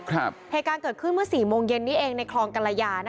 เหตุการณ์เกิดขึ้นเมื่อ๔โมงเย็นนี้เองในคลองกรยา